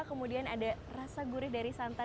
kemudian ada rasa gurih dari santan